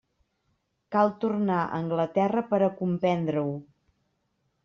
Cal tornar a Anglaterra per a comprendre-ho.